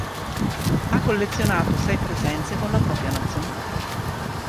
Ha collezionato sei presenze con la propria Nazionale.